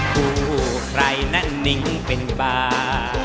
ใครนะนิ้งเป็นบา